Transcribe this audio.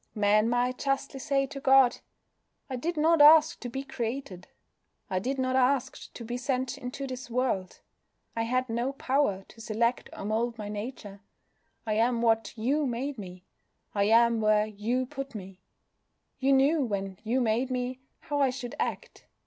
Man might justly say to God: "I did not ask to be created. I did not ask to be sent into this world. I had no power to select or mould my nature. I am what You made me. I am where You put me. You knew when You made me how I should act.